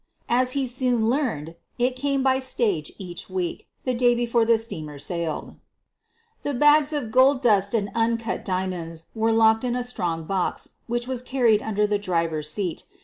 As he soon learned, it came by stage each week, the day before the steamer sailed. The bags of gold QUEEN OF THE BUEGLARS 227 dust and uncut diamonds were locked in a strong box which was carried under the driver's seat.